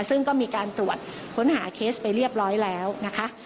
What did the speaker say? ซึ่งก็มีการตรวจค้นหาเคสไปเรียบร้อยแล้วนะคะ